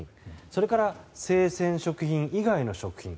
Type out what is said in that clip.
それから、生鮮食品以外の食品。